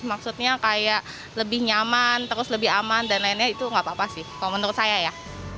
maksudnya kayak lebih nyaman terus lebih aman dan lainnya itu nggak apa apa sih kalau menurut saya ya